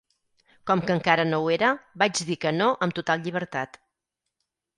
Com que encara no ho era, vaig dir que no amb total llibertat.